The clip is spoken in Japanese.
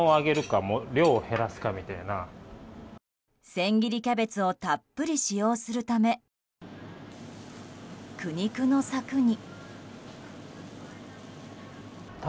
千切りキャベツをたっぷり使用するため苦肉の策に。